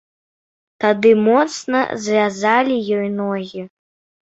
Тады моцна звязалі ёй ногі.